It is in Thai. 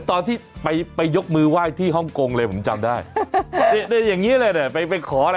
โอ้ยมันหมดที่แล้ว